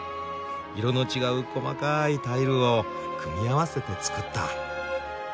色の違う細かいタイルを組み合わせて作った。